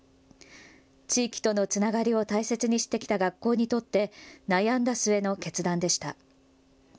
地域とのつながりを大切にしてきた学校にとって悩んだ末の決断でした。